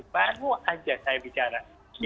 baru saja saya bicara